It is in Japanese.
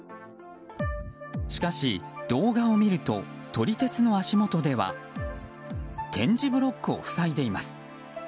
しかし、動画を見ると撮り鉄の足元では点字ブロックを塞いでいます。